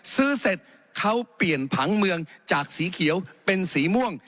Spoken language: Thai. เสร็จเขาเปลี่ยนผังเมืองจากสีเขียวเป็นสีม่วง